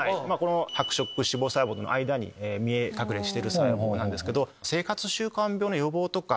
白色脂肪細胞の間に見え隠れしてる細胞なんです。